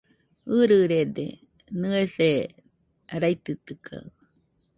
ɨrɨrede, nɨese raitɨtɨkaɨ